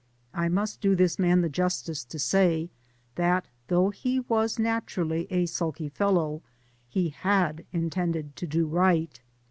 I must do this man the justice to say, that though he was na turally a sulky fellow, he had intended to do right.